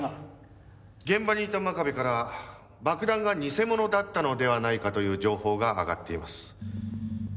現場にいた真壁から爆弾が偽物だったのではないかという情報が上がっています。